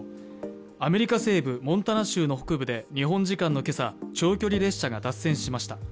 アメリカ西部モンタナ州の北部で日本時間の今朝、長距離列車が脱線しました。